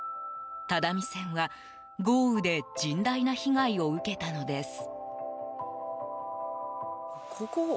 只見線は、豪雨で甚大な被害を受けたのです。